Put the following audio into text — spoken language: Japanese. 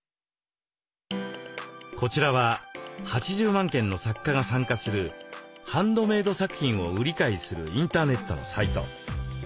こちらは８０万軒の作家が参加するハンドメード作品を売り買いするインターネットのサイト。